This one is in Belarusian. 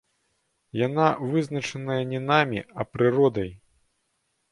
Яна вызначаная не намі, а прыродай.